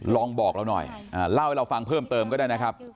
ลองบอกเราหน่อยเล่าให้เราฟังเพิ่มเติมก็ได้นะครับ